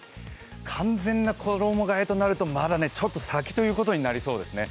完全な衣がえとなるとまだちょっと先ということになりそうですよね。